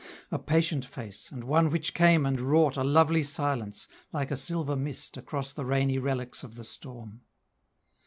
A patient face, and one which came and wrought A lovely silence, like a silver mist, Across the rainy relics of the storm.